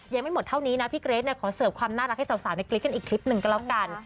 ยังไม่หมดเท่านี้นะพี่เกรทขอเสิร์ฟความน่ารักให้สาวในกรี๊ดกันอีกคลิปหนึ่งก็แล้วกัน